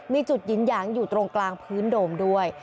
มีจุดหยินหยางอยู่ตรงกลางพื้นโดมด้วย